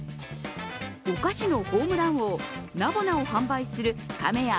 お菓子のホームラン王ナボナを販売する亀屋